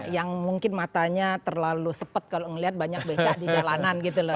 yang mungkin matanya terlalu sepet kalau ngelihat banyak becak di jalanan gitu loh